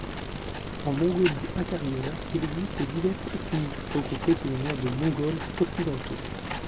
En Mongolie-Intérieure, il existe diverses ethnies regroupées sous le nom de Mongols Occidentaux.